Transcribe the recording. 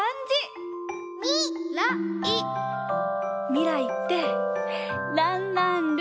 みらいってらんらんるんるん！